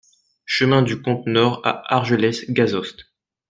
Chemin du Comte Nord à Argelès-Gazost